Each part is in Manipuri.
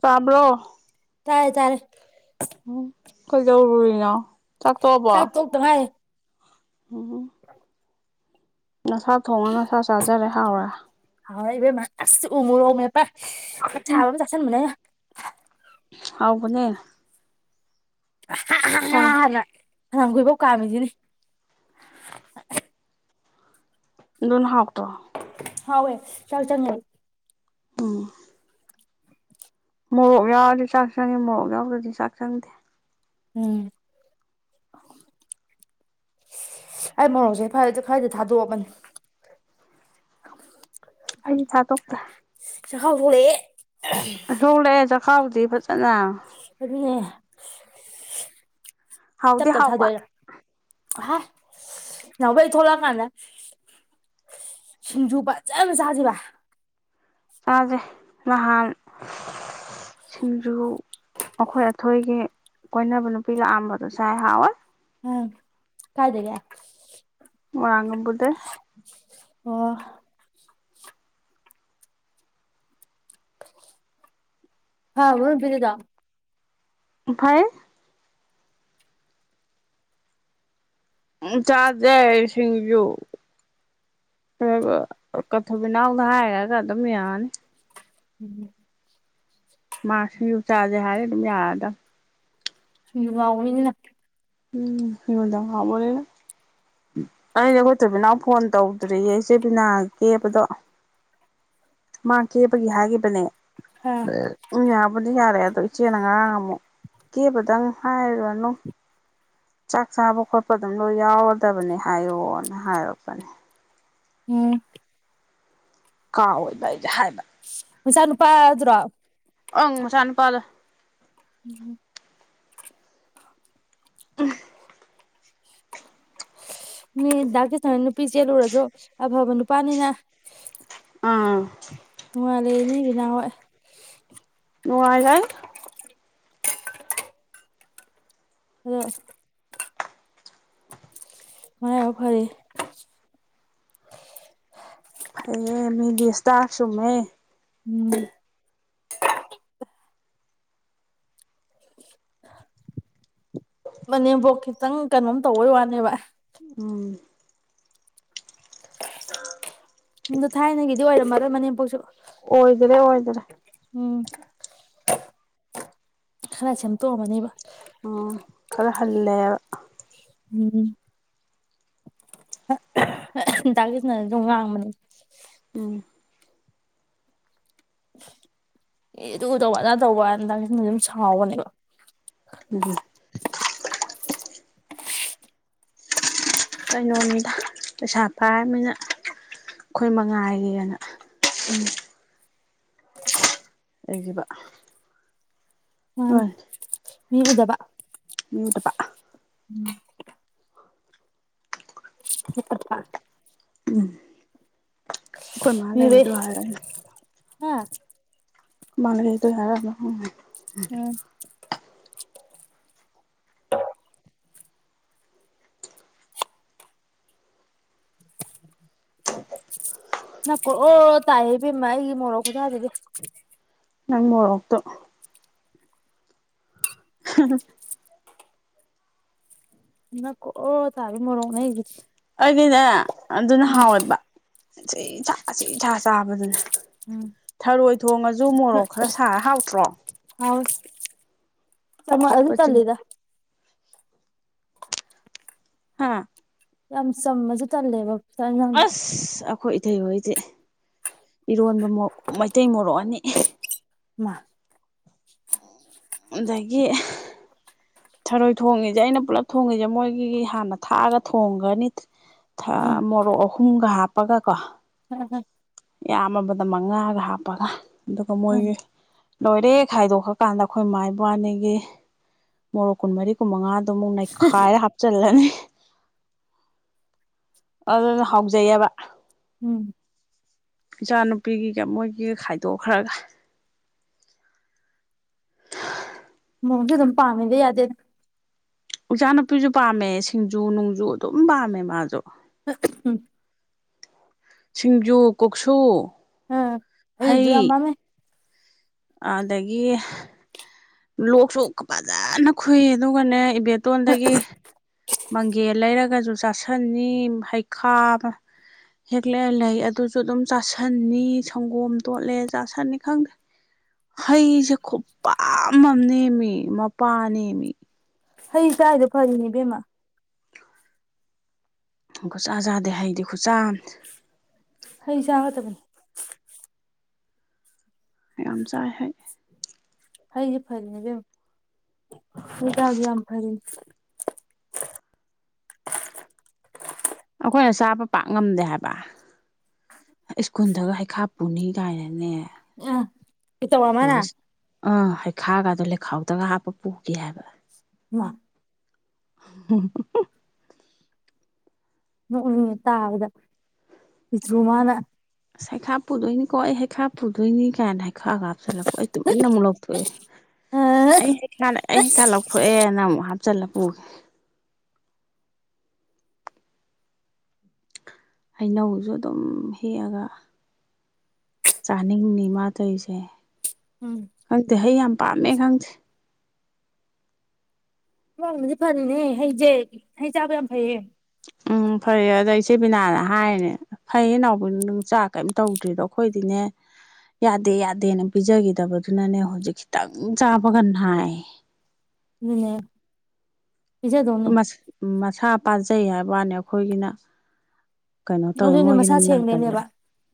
ꯇꯥꯕ꯭ꯔꯣ ꯇꯥꯔꯦ ꯇꯥꯔꯦ ꯀꯩꯗꯧꯔꯤꯅꯤ ꯆꯥꯛꯇꯣꯛꯑꯕꯣ ꯆꯥꯛ ꯇꯣꯛꯇ ꯉꯥꯏꯔꯤ ꯎꯝ ꯅꯁꯥ ꯊꯣꯡꯉ ꯅꯁꯥ ꯆꯥꯖꯔꯦ ꯍꯥꯎꯔꯦ ꯍꯥꯎꯔꯦ ꯏꯕꯦꯃꯥ ꯑꯁꯤ ꯎ ꯃꯣꯔꯣꯛ ꯃꯦꯠꯄ ꯎꯝ [unintelligible] [unintelligible] ꯍꯥꯎꯕꯅꯦ ꯁꯥ [unintelligible] [unintelligible] ꯀꯥꯝꯃꯤꯁꯤꯅꯤ ꯑꯗꯨꯅ ꯍꯥꯎꯇꯔꯣ ꯍꯥꯎꯏ ꯆꯥꯛ ꯆꯪꯉꯦ꯫ ꯎꯝ ꯃꯣꯔꯣꯛ ꯌꯥꯎꯔꯗꯤ ꯆꯥꯛ ꯆꯪꯉꯦ ꯃꯣꯔꯣꯛ ꯌꯥꯎꯗ꯭ꯔꯗꯤ ꯆꯥꯛ ꯆꯪꯗꯦ ꯎꯝ ꯑꯩ ꯃꯣꯔꯣꯛꯁꯦ [unintelligible] ꯊꯥꯗꯣꯛꯑꯕꯅꯤ ꯑꯩꯗꯤ ꯊꯥꯗꯣꯛꯇꯦ ꯆꯈꯥꯎ ꯁꯣꯛꯂꯛꯑ [unintelligible] [unintelligible] [unintelligible] ꯑꯗꯨꯅꯤ ꯇꯞ ꯍꯥꯎꯗꯤ ꯇꯞ ꯍꯥꯎꯕ ꯊꯥꯗꯣꯛꯑꯦ [unintelligible] [unintelligible] ꯊꯣꯛꯂꯛꯑꯀꯥꯟꯗ ꯁꯤꯡꯖꯨ ꯐꯖꯅ ꯁꯥꯥꯁꯤꯕ ꯆꯥꯁꯦ ꯅꯍꯥꯟ [unintelligible] ꯁꯤꯡꯖꯨ ꯑꯈꯣꯏ ꯑꯊꯣꯏꯒꯤ ꯀꯣꯏꯅꯕ ꯅꯨꯄꯤ ꯂꯥꯛꯑꯝꯕꯗꯣ ꯆꯥꯏ ꯍꯥꯎꯋꯤ ꯎꯝ ꯀꯥꯏꯗꯒꯤ [unintelligible] ꯑꯣ ꯐꯕꯔꯣ [unintelligible] ꯐꯩ ꯎꯝ ꯆꯥꯖꯦ ꯁꯤꯡꯖꯨ [unintelligible] ꯍꯥꯏꯔꯒ ꯑꯗꯨꯝ ꯌꯥꯅꯤ [inaudible] ꯃꯥ ꯁꯤꯡꯖꯨ ꯆꯥꯖꯦ ꯍꯥꯏꯌꯣ ꯑꯗꯨꯝ ꯌꯥꯔꯗꯝꯅꯤ [unintelligible] ꯎꯝ ꯌꯨꯗ ꯉꯥꯎꯕꯅꯤꯅ ꯑꯩꯗꯤ ꯑꯩꯈꯣꯏ ꯊꫭꯏꯕꯤꯅꯥꯎ ꯐꯣꯟ ꯇꯧꯗ꯭ꯔꯤꯌꯦ ꯏꯆꯦ ꯕꯤꯅꯥ ꯀꯦꯕꯗꯣ ꯃꯥ ꯀꯦꯕꯒꯤ ꯍꯥꯏꯈꯤꯕꯅꯦ ꯑ [unintelligible] ꯕꯨꯗꯤ ꯌꯥꯔꯦ ꯑꯗꯣ ꯏꯆꯦꯅ ꯉꯔꯥꯡ ꯑꯃꯨꯛ ꯀꯦꯕꯗꯪ ꯍꯥꯏꯔꯨꯔꯅꯨ ꯆꯥꯛ ꯆꯥꯕ ꯈꯣꯠꯄ ꯑꯗꯨꯝ ꯂꯣꯏ ꯌꯥꯎꯔꯗꯕꯅꯦ ꯍꯥꯏꯌꯣꯅ ꯍꯥꯏꯔꯛꯄꯅꯦ ꯎꯝ ꯀꯥ ꯑꯣꯏꯗꯏꯖ ꯍꯥꯏꯗ ꯃꯆꯥ ꯅꯨꯄꯥ ꯑꯗꯨ꯭ꯔꯣ ꯑꯪ ꯃꯆꯥꯅꯨꯄꯥꯗꫭ ꯎꯝ ꯎꯝ ꯃꯤ ꯗꯥꯀꯤꯁꯟꯅ ꯅꯨꯄꯤ ꯆꯦꯜꯂꯨꯔꯁꯨ ꯑꯐꯕ ꯅꯨꯄꯥꯅꯤꯅ ꯑꯥ ꯃꯥ ꯂꯩꯅꯤ ꯔꯦꯕꯤꯅ ꯍꫭꯏ ꯅꯨꯡꯉꯥꯏ [unintelligible] ꯑꯗꯣ ꯃꯔꯥꯏꯕꯛ ꯐꯔꯦ ꯍꯩꯌꯦ ꯃꯤꯗꯤ ꯁꯇꯥꯔ ꯆꯝꯃꯦ ꯎꯝ ꯃꯅꯦꯝꯕꯣꯛ ꯈꯤꯇꯪ ꯀꯩꯅꯣꯝ ꯇꯧꯕꯩ ꯋꯥꯅꯦꯕ ꯎꯝ [inaudible] [unintelligible] ꯊꯥꯏꯅꯒꯤꯗꯤ ꯑꯣꯏꯔꯝꯃꯗꯣꯏ ꯃꯅꯦꯝꯄꯣꯛꯁꯨ ꯑꯣꯏꯈꯔꯦ ꯑꯣꯏꯈꯔꯦ ꯎꯝ ꯈꯥꯔꯁꯦꯝ ꯇꯣꯛ ꯑꯃꯅꯤꯕ ꯎ ꯈꯔ ꯍꯜꯂꯦꯕ ꯎꯝ ꯗꯥ ꯀꯤꯁꯅꯅꯁꯨ ꯉꯥꯡꯕꯅꯤ ꯎꯝ ꯑꯦ ꯑꯗꯨ ꯇꯧꯕ ꯑꯗꯥ ꯇꯧꯕ ꯗꯥ ꯀꯤꯁꯟꯗꯤ ꯑꯗꯨꯝ ꯁꯥꯎꯕꯅꯦꯕ ꯎꯝꯝ ꯀꯩꯅꯣꯅꯤꯗ ꯄꯩꯁꯥ ꯄꯥꯏꯔꯕꯅꯤꯅ ꯑꯩꯈꯣꯏ ꯃꯉꯥꯏꯒꯤꯅ ꯎꯝ ꯑꯩꯒꯤꯕ ꯎꯝ ꯃꯤꯎꯗꯕ ꯎꯠꯇ ꯄ ꯎꯝ [unintelligible] ꯎꯝ ꯑꯩꯈꯣꯏ ꯃꯥꯜꯂꯩ ꯌꯦ ꯑꯗꯨ ꯍꯥꯏꯔꯗꯤ ꯍꯥꯥ [unintelligible] ꯑꯗꯨꯏ ꯌꯥꯔꯒ [unintelligible] ꯎꯝ ꯅꯄꯀ ꯑꯣ ꯇꯥꯏ ꯍꯕꯦꯝꯃ ꯑꯩꯒꯤ ꯃꯣꯔꯣꯛ ꯈꯨꯖꯥꯔꯤꯒꯦ ꯅꯪ ꯃꯣꯔꫭꯛ ꯇꯣ ꯑꯗꯨ [unintelligible] ꯅꯞꯀ ꯑꯣ ꯇꯥꯕꯤ ꯃꯔꯣꯅ ꯑꯩꯒ ꯑꯩꯗꯤꯅꯦ ꯑꯗꯨꯅ ꯍꯥꯎꯋꯦꯕ ꯆꯤ ꯁꯥ ꯆꯤꯁꯥ ꯆꯥꯕꯗꯨꯅꯦ ꯎꯝ ꯊꯔꯣꯏ ꯊꯣꯡꯉꯁꯨ ꯃꯣꯔꯣꯛ ꯈꯔ ꯁꯥꯔ ꯍꯥꯎꯇ꯭ꯔꯣ ꯆꯃ ꯑꯗꯨ ꯆꯨꯞꯄ ꯆꯨꯝ ꯆꯜꯗ ꯍꯥꯥ ꯌꯥꯝ ꯆꯝꯃꯖ ꯇꯂꯦꯕ ꯑꯁ ꯑꯩꯈꯣꯏ ꯏꯇꯩꯍꯣꯏꯗꯤ ꯏꯔꯣꯟꯕ ꯃꯩꯇꯩ ꯃꯣꯔꯣꯛꯑꯅꯤ ꯃꯥ ꯑꯗꯨꯗꯒꯤ ꯊꯔꯣꯏ ꯊꯣꯡꯉꯤꯁꯦ ꯑꯩꯅ ꯄꯨꯜꯂꯞ ꯊꯣꯡꯉꯁꯦ ꯃꯣꯏꯒꯤ ꯍꯥꯟꯅ ꯊꯥꯛꯑꯒ ꯊꯣꯡꯒꯅꯤ ꯊ ꯃꫭꯔꫭꯛ ꯑꯍꯨꯝꯘꯥ ꯄꯀꯥ ꯀꯣ ꯎꯝ ꯎꯝ ꯌꯥꯝꯃꯕꯗ ꯃꯉꯥꯒ ꯍꯥꯞꯄꯒ ꯑꯗꯨꯒ ꯃꯣꯏꯒꯤ ꯎꯝ ꯂꯣꯏꯔꯦ ꯈꯥꯏꯗꯣꯛꯈꯀꯥꯟꯗ ꯑꯩꯈꯣꯏ ꯏꯃꯥ ꯏꯕꯥꯅꯤꯒꯤ ꯃꯣꯔꯦꯛ ꯀꯨꯟꯃꯔꯤ ꯀꯨꯟꯃꯉꯥ ꯑꯗꯨ ꯑꯃꯨꯛ ꯅꯩꯈꯥꯏꯔ ꯍꯥꯞꯆꯤꯜꯂꯅꯤ ꯑꯗꯨꯅ ꯍꯥꯎꯖꯩꯑꯕ ꯎꯝ ꯏꯆꯥ ꯅꯨꯨꯄꯤꯒꯤꯒ ꯃꯣꯏꯒꯤ ꯈꯥꯏꯗꯣꯛꯈ꯭ꯔꯒ ꯃꯑꯣꯡꯁꯨ ꯑꯗꯨꯝ ꯄꯥꯝꯃꯤꯗ ꯌꯥꯗꯦꯗ ꯏꯆꯥ ꯅꯨꯨꯄꯤꯁꯨ ꯄꯥꯝꯃꯦ ꯁꯤꯡꯖꯨ ꯅꫭꯡꯖꯨ ꯑꯗꯨꯝ ꯄꯥꯝꯃꯦ ꯃꯥꯁꯨ ꯑꯝ [unintelligible] ꯁꯤꯡꯖꯨ ꯀꯣꯛꯁꯨ ꯎꯝ ꯑꯩꯖ ꯑꯃ ꯍꯩ ꯃ [unintelligible] ꯑꯗꯒꯤ ꯂꯣꯛꯁꯨ ꯐꯖꯅ ꯈꯨꯨꯏ ꯑꯗꯨꯒꯅꯦ ꯏꯕ ꯇꯣꯟꯗꯒꯤ ꯃꯪꯒꯦ ꯂꯩꯔꯒꯁꯨ ꯆꯥꯁꯟꯅꯤ ꯍꯩꯈꯥ ꯍꯦꯛꯂ ꯂꯩ ꯑꯗꯨꯁꯨ ꯑꯗꯨꯝ ꯆꯥꯁꯟꯅꯤ ꯁꯪꯒꯣꯝ ꯇꯣꯠꯂꯦ ꯆꯥꯁꯟꯅꯤ ꯈꯪꯗꯦ ꯍꯩꯁꯦ ꯈꯨꯄ ꯅꯦꯃꯤ ꯃꯄꯥ ꯅꯦꯃꯤ ꯍꯩ ꯆꯥꯏꯗꯣ ꯐꯔꯤꯅꯦꯕꯦꯝꯃ ꯁꯨꯖꯥꯗꯦ ꯍꯩꯗꯤ ꯈꯨꯆꯥ ꯑꯃꯅꯤ ꯍꯩ ꯆꯥꯒꯕꯅꯤ ꯌꯥꯝ ꯆꯥꯏ ꯍꯥꯏ꯫ ꯑꯩꯩꯗꯤ ꯐꯔꯤꯅꯦ ꯏꯕꯦꯝꯃꯥ ꯈꯨꯗꯁꯨ ꯌꯥꯝ ꯐꯔꯤ ꯫ ꯑꯩꯈꯣꯏꯅ ꯆꯥꯕ ꯄꯥꯛ ꯉꯝꯗꯦ ꯍꯥꯏꯕ ꯁ꯭ꯀꯨꯜꯗꯒ ꯍꯩꯈꯥ ꯄꯨꯅꯤ ꯀꯥꯏꯅꯒꯦ꯫ ꯑ ꯇꯧꯔ꯭ꯃꯥ ꯅꯪ꯫ ꯑꯥ ꯍꯩꯈꯥꯒꯗꯨ ꯂꯩꯈꯥꯎꯗꯒ ꯍꯥꯞꯄ ꯄꯨꯈꯤ ꯍꯥꯏꯕ꯫ ꯃꯥ꯫ ꯍꯨꯡ ꯍꯨꯡ ꯫ ꯅꯣꯛꯅꯤꯡꯉꯦ ꯇꯥꯕꯗ ꯄꯤꯛꯇ꯭ꯔꯨꯃꯅ꯫ ꯑꯁ ꯁꯩꯈꯥ ꯄꯨꯗꯣꯏꯅꯤꯀꯣ ꯑꯩ ꯁꯩꯈꯥ ꯄꯨꯗꯣꯏꯅꯤ ꯀꯥꯏꯅ ꯍꯩꯈꯥꯉꯛ ꯍꯥꯞꯆꯤꯜꯂ ꯑꯩ ꯇꯨꯃꯤꯟꯅ ꯑꯃꯨꯛ ꯂꯧꯊꯣꯛꯑꯦ ꯑꯥ ꯑꯩ ꯍꯩꯈꯥꯅꯦ - ꯑꯩ ꯍꯩꯈꯥꯅꯦ ꯂꯧꯊꯣꯛꯑꯦꯅ ꯑꯃꯨꯛ ꯍꯥꯞꯆꯜꯂꯝ꯫ ꯎ꯫ ꯍꯩꯅꯧꯁꯨ ꯑꯗꯨꯝ ꯍꯦꯛꯑꯒ ꯆꯥꯅꯤꯡꯅꯤ ꯃꯥꯟꯇꯩꯔꯤꯁꯦ꯫ ꯎꯝ ꯈꯪꯗꯦ ꯍꯩꯌꯥꯝ꯫ ꯄꯥꯝꯃꯦ ꯈꯪꯗꯦ꯫ ꯋꯥꯡꯅꯗꯤ ꯐꯅꯤꯅꯦ ꯍꯩꯖꯦ ꯍꯩ ꯆꯥꯕ ꯌꯥꯝ ꯐꯩꯌꯦ꯫ ꯎꯝ ꯐꯔꯦ ꯑꯗꯣ ꯏꯆꯦ ꯕꯤꯅꯥꯅ ꯍꯥꯏꯅꯦ ꯐꯩꯌꯦ ꯅꯥꯎꯕꯤꯅ ꯅꯪ ꯆꯥꯛ ꯀꯩꯝ ꯇꯧꯗ꯭ꯔꯤꯗꯣ ꯑꯩꯈꯣꯏꯗꯤꯅꯦ ꯌꯥꯗꯦ ꯌꯥꯗꯦꯅ ꯄꯤꯖꯈꯤꯗꯕꯗꯨꯅꯅꯦ ꯍꯧꯖꯤꯛ ꯈꯤꯇꯪ ꯆꯥꯕꯒ ꯅꯥꯏ꯫ ꯑꯗꯨꯅꯦ꯫ ꯎ ꯄꯤꯖꯗꯧꯅꯦ ꯃꯥ ꯃꯁꯥ ꯄꯥꯖꯩ ꯍꯥꯏꯕ꯫ ꯋꯥꯅꯦ ꯑꯩꯈꯣꯏꯒꯤꯅ꯫ ꯀꯩꯅꯣ ꯇꯧꯋꯦ ꯑꯗꯨꯅꯦ ꯃꯣꯏꯒꯤꯅ ꯃꯁꯥ ꯅꯥꯒꯜꯂꯦ ꯁꯦꯡꯗꯣꯏꯅꯦꯕ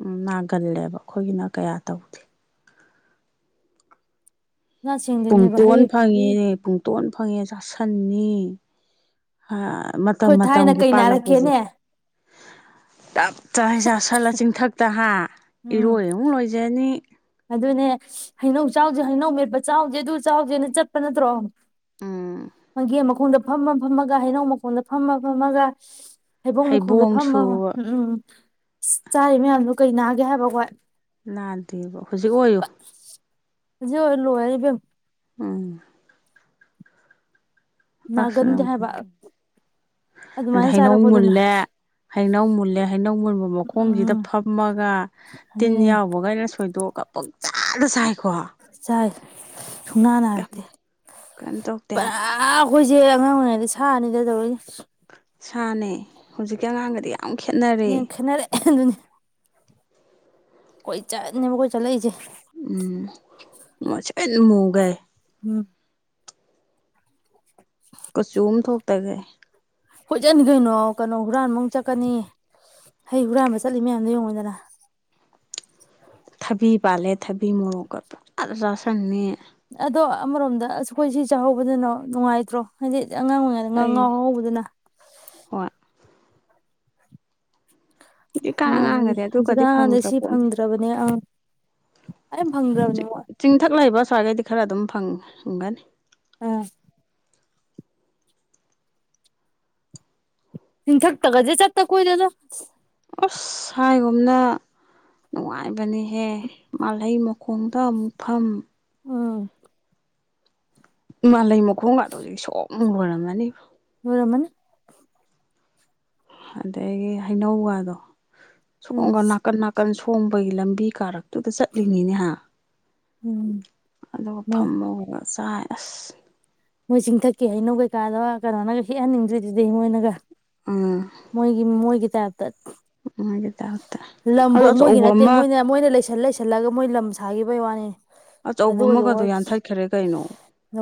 ꯎꯝ ꯅꯥꯒꯜꯂꯦꯕ ꯑꯩꯈꯣꯏꯒꯤꯅ꯫ ꯀꯌꯥ ꯇꯧꯗꯦ꯫ ꯃꯁꯥ ꯁꯦꯡꯗꯣꯏꯅꯦꯕ ꯍꯩ ꯄꯨꯡꯇꯣꯟ ꯐꯪꯉꯦꯅꯦ ꯄꯨꯡꯇꯣꯟ ꯐꯪꯉꯦ꯫ ꯆꯥꯁꯟꯅꯤ ꯍꯥ꯫ ꯃꯇꯝ ꯑꯩꯈꯣꯏ ꯊꯥꯏꯅ ꯃꯇꯝꯒꯤ ꯀꯩ ꯄꯥꯜꯂꯛꯄꯁꯦ ꯅꯥꯔꯛꯀꯦꯅꯦ꯫ ꯇꯞ ꯆꯥꯛ ꯍꯦꯛ ꯆꯥ ꯁꯜꯂ ꯆꯤꯡꯊꯛꯇ ꯍꯥ ꯎꯝ ꯏꯔꯣꯏ ꯑꯃꯨꯛ ꯂꯣꯏꯖꯅꯤ꯫ ꯑꯗꯨꯅꯦ ꯍꯩꯅꯧ ꯆꯥꯎꯁꯦ ꯍꯩꯅꯧ ꯃꯦꯠꯄ ꯆꯥꯎꯁꯦ ꯑꯗꯨ ꯆꯥꯎꯁꯦꯅ ꯆꯠꯄ ꯅꯠꯇ꯭ꯔꯣ꯫ ꯎꯝ ꯃꯣꯏꯒꯤ ꯃꯥ꯫ ꯎꯈꯣꯡꯗ ꯐꯝꯃ ꯐꯝꯃꯒ ꯍꯩꯅꯧ ꯃꯈꯣꯡꯗ ꯐꯝꯃ ꯐꯝꯃꯒ ꯫ ꯍꯩꯕꯣꯡ ꯃꯈꯣꯡꯗ ꯐꯝꯃ ꯎꯝ ꯎꯝ ꯆꯥꯔꯤ ꯃꯌꯥꯝꯗꯨ꯫ ꯀꯩ ꯅꯥꯒꯦ ꯍꯥꯏꯕ ꯑꯩꯈꯣꯏ꯫ ꯅꯥꯗꯦꯕ꯫ ꯍꯧꯖꯤꯛ ꯑꯣꯏꯌꯣ꯫ ꯍꯧꯖꯤ ꯑꯣꯏꯔꯤ ꯂꯣꯏꯔꯦ ꯏꯕꯦꯝꯃ꯫ ꯎꯝ꯫ ꯅꯥꯒꯟꯗꯦ ꯍꯥꯏꯕ꯫ ꯑꯗꯩꯩ ꯑꯗꯨꯃꯥꯏꯅ ꯍꯩꯅꯧ ꯆꯥꯔꯛꯄꯗꯨꯅ ꯃꯨꯜꯂꯦ ꯍꯩꯅꯧ ꯃꯨꯜꯂꯦ ꯍꯩꯅꯧ ꯃꯨꯟꯕ ꯃꯈꯣꯡꯁꯤꯗ ꯎꯝ ꯐꯝꯃꯒ ꯇꯤꯟ ꯑꯗꯨꯅꯦ ꯌꯥꯎꯕꯒꯩ ꯁꯣꯏ꯫ [unintelligible] ꯄꯥꯪꯆꯗ ꯁꯥꯏ ꯆꯥꯏ ꯁꯨꯨꯡꯅꯥ ꯀꯩꯝ ꯅꯥꯔꯛꯇꯦ ꯀꯩꯝ ꯇꯧꯗꯦ ꯄꯨꯔꯥ ꯍꯥꯏꯕ ꯑꯩꯈꯣꯏꯁꯦ ꯑꯉꯥꯡ ꯑꯣꯏꯔꯤꯉꯩꯗ ꯁꯥꯅꯤꯗ ꯇꯧꯔꯛ ꯁꯥꯅꯦ ꯍꯧꯖꯤꯛꯀꯤ ꯑꯉꯥꯡꯒꯗꯤ ꯌꯥꯝ ꯈꯦꯠꯅꯔꯦ ꯌꯦ ꯈꯅꯔꯦ ꯑꯗꯨꯅꯤ ꯀꯣꯏꯆꯠꯅꯤ ꯑꯩꯈꯣꯌꯅ ꯆꯠꯂꯛꯏꯁꯦ ꯎꯝ ꯃꯨꯁꯤꯟ ꯃꯨꯒꯩ ꯎꯝ [inaudible] ꯇꯥꯂꯦ ꯍꯣꯏꯆꯠꯅꯤ ꯀꯩꯅꯣ ꯀꯩꯅꯣ ꯍꯨꯔꯥꯟꯕꯃꯨ ꯆꯠꯀꯅꯤ ꯍꯩ ꯍꯨꯔꯥꯟꯕ ꯆꯠꯂꯤꯝꯅꯤ ꯌꯦꯡꯉꯨꯗꯅ ꯊꯕꯤ ꯄꯥꯜꯂꯦ ꯊꯕꯤ ꯃꯣꯔꯣꯛꯀ ꯄꯨꯪꯆꯗ ꯆꯥꯥꯁꯟꯅꯤ ꯑꯗꯣ ꯑꯃꯔꯣꯝꯗ ꯑꯁ ꯑꯩꯈꯣꯏ ꯁꯤ ꯆꯥꯍꯧꯕꯗꯅꯣ ꯅꯨꯡꯉꯥꯏꯇ꯭ꯔꯣ ꯍꯥꯏꯗꯤ ꯑꯉꯥꯡ ꯑꯣꯏꯔꯤꯉꯩꯗ ꯉꯥ ꯐꯩꯅꯦ ꯉꯥꯎꯧꯕꯗꯨꯅ ꯍꯣꯏ ꯍꯧꯖꯤꯛꯀꯥꯟ ꯃꯥꯒꯤ ꯑꯉꯥꯡꯒꯗꯤ ꯍꯧꯖꯤꯛꯟ ꯑꯗꯨꯒꯗꯤ ꯑꯉꯥꯪꯗꯤ ꯐꯪꯗ꯭ꯔ ꯁꯤ ꯐꯪꯗ꯭ꯔꯕꯅꯦ ꯑ ꯆꯤ ꯆꯤꯡꯊꯛ ꯂꯩꯕ ꯁ꯭ꯋꯥꯏꯒꯩꯗꯤ ꯈꯔ ꯑꯗꯨꯝ ꯐꯪꯒꯅꯤ ꯑꯥ ꯆꯤꯪꯊꯛꯊꯒꯗꯤ ꯆꯇꯥ ꯀꯨꯏꯔꯦꯗ ꯑꯁ ꯍꯥꯏꯒꯨꯝꯅ ꯅꯨꯡꯉꯥꯏꯕꯅꯤꯍꯦ ꯃꯥꯜꯍꯩ ꯃꯈꯣꯡꯗ ꯑꯃꯨꯛꯐꯝ ꯎꯝ ꯃꯥꯂꯩ ꯃꯈꯣꯡꯒꯗꯨ ꯍꯧꯖꯤꯛ ꯁꯣꯛꯕ ꯂꯣꯏꯔꯝꯃꯅꯤ ꯂꯣꯏꯔꯝꯅꯤ ꯑꯗꯒꯤ ꯍꯩꯅꯧꯒꯗꯣ ꯎꯝ ꯁꯣꯡꯒ ꯅꯥꯀꯟ ꯅꯥꯀꯟ ꯁꯣꯟ ꯊꯣꯝꯕꯒꯤ ꯂꯝꯕꯤ ꯀꯥꯔꯛ ꯑꯗꯨꯗ ꯆꯠꯂꯤꯅꯤꯅꯦꯍ ꯎꯝ ꯑꯗꯨꯒ ꯃꯣꯏ ꯐꯝꯃꯒ ꯆꯥꯏ ꯃꯣꯏ ꯆꯤꯡꯊꯛꯀꯦ ꯍꯥꯏꯩꯅꯣ ꯀꯩꯀꯥꯗꯣ ꯀꯩꯅꯣꯅꯒ ꯍꯦꯛꯍꯟꯅꯤꯡꯗ꯭ꯔꯤꯗꯨꯗꯤ ꯃꯣꯏꯅꯒ ꯎꯝ ꯃꯣꯏꯒꯤ ꯃꯣꯏꯒꯤ ꯇꯥꯏꯞ ꯇꯠ ꯃꯣꯏꯒꯤ ꯇꯥꯏꯞꯇ ꯑꯗꯣ ꯂꯝꯐꯧ ꯃꯣꯏꯒꯤ ꯑꯆꯧꯕ ꯅꯠꯇꯦ ꯑꯃ ꯃꯣꯏꯅ ꯃꯣꯏꯅ ꯂꯩꯁꯜ ꯂꯩꯁ ꯂꯒ ꯃꯣꯏ ꯂꯝ ꯁꯥꯈꯤꯕꯩ ꯋꯥꯅꯤ ꯑꯆꯧꯕ ꯑꯗꯨꯒꯁꯨ ꯋꯥ ꯑꯃꯒꯗꯣ ꯌꯥꯟꯊꯠꯈ꯭ꯔꯦ ꯀꯩꯅꯣ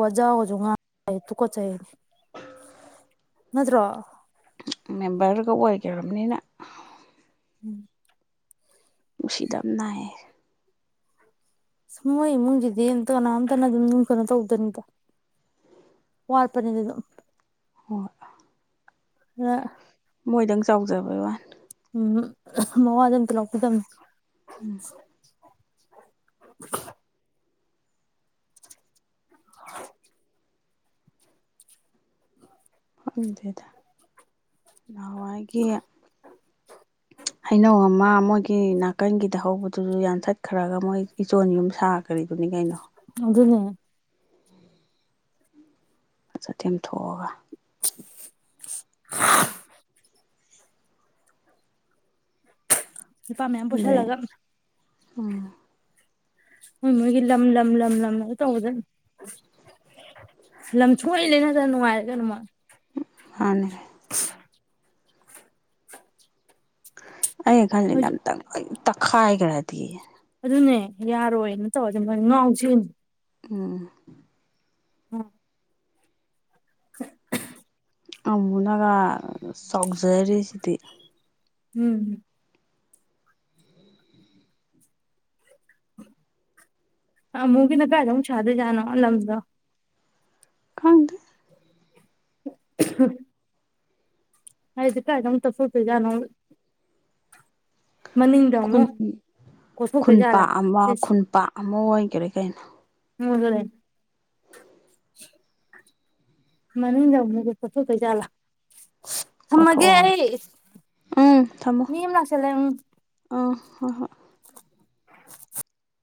ꯋꯥꯖꯥꯒꯁꯨ ꯉꯪ ꯁꯥꯏ ꯇꯨꯀꯠꯆꯩ ꯅꯠꯇ꯭ꯔꯣ ꯃꯦꯝꯕꯔꯒ ꯑꯣꯏꯈꯔꯕꯅꯤꯅ ꯎꯝ ꯅꯨꯪꯁꯤꯗꯝꯟ ꯅꯥꯏ ꯃꯣꯏ ꯏꯃꯨꯡꯁꯤꯗꯤ ꯑꯝ ꯀꯅꯥꯝꯇꯅ ꯑꯗꯨꯝ ꯀꯩꯅꯣ ꯇꯧꯗꯝꯅꯤꯗ ꯋꯥꯠꯄꯅꯤꯗ ꯑꯗꯨꯝ ꯍꯣꯌ ꯑ ꯃꯣꯏꯗꯪ ꯆꯥꯎꯖꯕꯩ ꯋꯥꯅꯦ꯫ ꯎꯍ ꯃꯋꯥꯗꯤ ꯂꯧꯕꯤꯗꯝꯅꯦ꯫ [inaudible] [inaudible] ꯈꯪꯗꯦꯗ꯫ ꯅꯍꯋꯥꯏꯒꯤ꯫ ꯍꯩꯅꯧ ꯑꯃ ꯃꯣꯏꯒꯤ ꯅꯥꯀꯟꯒꯤꯗ ꯍꯧꯕꯗꯨꯁꯨ ꯌꯥꯟꯊꯠꯈ꯭ꯔꯒ ꯃꯣꯏ ꯏꯆꯣꯟ ꯌꯨꯝ ꯁꯥꯈꯔꯤꯗꯨꯅꯤ ꯀꯩꯅꯣ꯫ ꯑꯗꯨꯅꯦ꯫ ꯆꯥ ꯇꯦꯝ ꯊꯣꯛꯒ꯫ [inaudible] ꯅꯨꯄꯥ ꯃꯌꯥꯝ ꯑꯗꯩ ꯄꯣꯁꯤꯜꯂꯒ꯫ ꯎꯝ ꯃꯣꯏ ꯃꯣꯏꯒꯤ ꯂꯝ ꯂꯝ ꯂꯝ ꯂꯝꯅ ꯇꯧꯕꯗ ꯂꯝ ꯁꯨꯡꯂꯩ ꯂꯩꯅꯗꯅ ꯅꯨꯡꯉꯥꯏꯔꯦ ꯀꯅꯣ ꯃꯣꯏ꯫ ꯃꯥꯅꯦ ꯑꯩ ꯈꯜꯂꯤ ꯍꯧꯖꯤꯛ ꯑꯝꯇꯪ ꯇꯛꯈꯥꯏꯒ꯭ꯔꯗꯤ꯫ ꯑꯗꯨꯅꯦ ꯌꯥꯔꯣꯏꯅ ꯇꯧꯔꯗꯤ ꯃꯣꯏ ꯉꯥꯎꯆꯦꯟꯅꯤ꯫ ꯎꯝ꯫ [inaudible] [unintelligible] ꯑꯃꯨꯅꯒ ꯆꯥꯎꯖꯔꯤꯁꯤꯗꯤ꯫ ꯎꯝ꯫ ꯑꯃꯨꯒꯤꯅ ꯀꯥꯏꯗ ꯑꯃꯨꯛ ꯁꯥꯗꯣꯏ ꯖꯥꯅꯣ ꯂꯝꯗꯣ꯫ ꯈꯪꯗꯦ꯫ [unintelligible] ꯍꯥꯏꯗꯤ ꯀꯥꯏꯗ ꯃꯨꯛ ꯇꯛꯊꯣꯛꯇꯣꯏꯖꯥꯅꯣ꯫ ꯈꯨꯟ ꯀꯣꯊꯣꯛꯇꯣꯏꯖꯥꯠꯂꯥ ꯈꯨꯟꯄꯥꯛ ꯑꯃ ꯈꯨꯟꯄꯥꯛ ꯑꯃ ꯑꯣꯏꯒ꯭ꯔꯦ꯫ ꯀꯩꯅꯣ꯫ [unintelligible] ꯃꯅꯤꯡꯗ ꯑꯃꯨꯛ [unintelligible] ꯖꯥꯠꯂꯥ꯫ ꯊꯝꯃꯒꯦ ꯀꯣꯊꯣꯛꯑꯒ ꯑꯩ ꯎꯝ ꯊꯝꯃꯣ ꯃꯤ ꯑꯃ ꯂꯥꯛꯁꯤꯜꯂꯦ ꯎꯝ꯫ ꯑꯥ ꯍꯣꯏ ꯍꯣꯏ꯫ [inaudible]